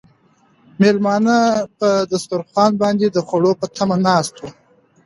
مېلمانه په دسترخوان باندې د خوړو په تمه ناست وو.